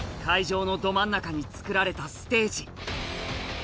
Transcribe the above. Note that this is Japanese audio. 会場のど真ん中に作られたステージ